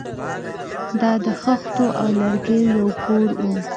دا د خښتو او لرګیو یو کور و